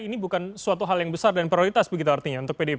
ini bukan suatu hal yang besar dan prioritas begitu artinya untuk pdip